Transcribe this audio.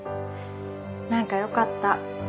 何かよかった。